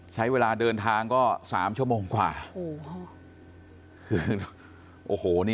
ใช้เวลาเดินทางก็สามชั่วโมงกว่าโอ้โหคือ